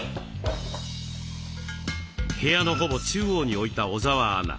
部屋のほぼ中央に置いた小澤アナ。